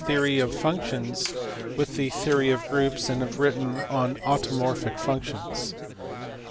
471 theory of functions with the theory of groups, and has written on automorphic functions.